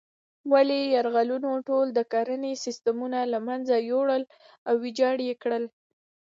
ولې یرغلونو ټول د کرنې سیسټمونه له منځه یوړل او ویجاړ یې کړل.